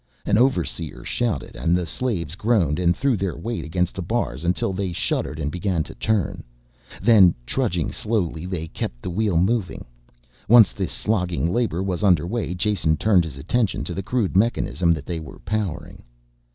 An overseer shouted and the slaves groaned and threw their weight against the bars until they shuddered and began to turn, then trudging slowly they kept the wheel moving. Once this slogging labor was under way Jason turned his attention to the crude mechanism that they were powering.